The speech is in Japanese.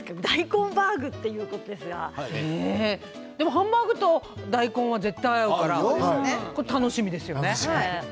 ハンバーグと大根は絶対に合うから楽しみですよね。